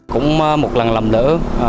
cũng một lần làm đỡ